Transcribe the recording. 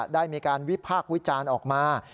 ได้มีการวิพากษ์วิจารณ์ออกมา